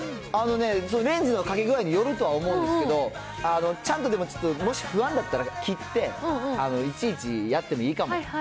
あのね、レンジのかけ具合によると思うんですけど、ちゃんと、でももし不安だったら切って、いちいちやってもいいかも。